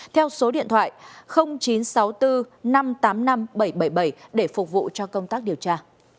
theo số điện thoại chín trăm sáu mươi bốn năm trăm tám mươi năm bảy trăm bảy mươi bảy để phục vụ cho công tác điều tra